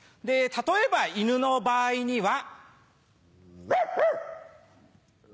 例えば犬の場合には。